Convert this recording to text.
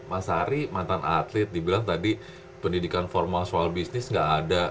mas ari mantan atlet dibilang tadi pendidikan formal soal bisnis gak ada